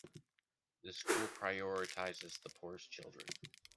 The school prioritizes the poorest children.